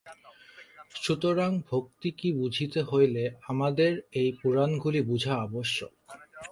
সুতরাং ভক্তি কী বুঝিতে হইলে আমাদের এই পুরাণগুলি বুঝা আবশ্যক।